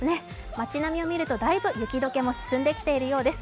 まち並みを見るとだいぶ、雪解けも進んできているようです。